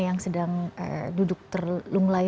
yang sedang duduk terlunglai